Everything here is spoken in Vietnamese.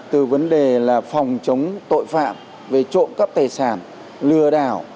từ vấn đề là phòng chống tội phạm về trộm cắp tài sản lừa đảo